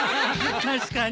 確かに！